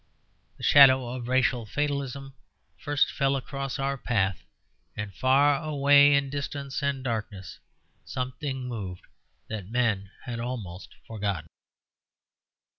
The shadow of racial fatalism first fell across our path, and far away in distance and darkness something moved that men had almost forgotten.